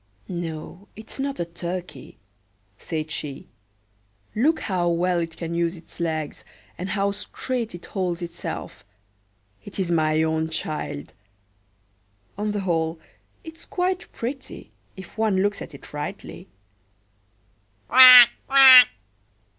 "No, it's not a turkey," said she; "look how well it can use its legs, and how straight it holds itself. It is my own child! On the whole it's quite pretty, if one looks at it rightly.